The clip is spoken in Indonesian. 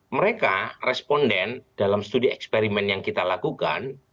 mereka responden dalam studi eksperimen yang kita lakukan